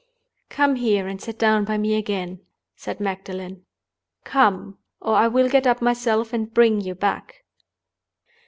"Come here and sit down by me again," said Magdalen. "Come—or I will get up myself and bring you back."